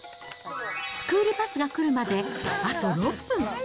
スクールバスが来るまで、あと６分。